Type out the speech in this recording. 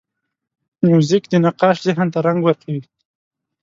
موزیک د نقاش ذهن ته رنګ ورکوي.